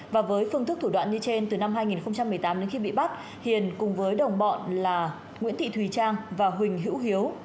và với phương thức thủ đoạn như trên từ năm hai nghìn một mươi tám đến khi bị bắt hiền cùng với đồng bọn là nguyễn thị thùy trang và huỳnh hữu hiếu